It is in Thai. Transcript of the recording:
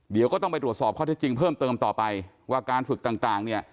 เดี๋ยวก็ต้องไปตรวจสอบข้อเท็จจริงเพิ่มเติมต่อไปว่าการฝึกต่างเนี่ย